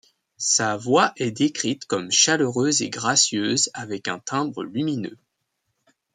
Sa voix est décrite comme chaleureuse et gracieuse, avec un timbre lumineux.